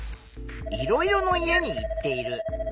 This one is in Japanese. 「いろいろの家にいっている」。